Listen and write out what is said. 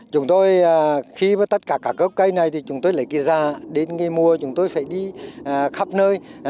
chúng tôi khi với tất cả các gốc cây này thì chúng tôi lại ra đến mùa chúng tôi phải đi khắp nơi